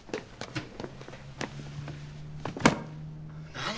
何？